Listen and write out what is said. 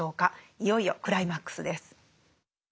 いよいよクライマックスです。